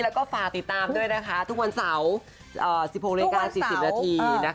แล้วก็ฝากติดตามด้วยนะคะทุกวันเสาร์๑๖๔๐นนะคะ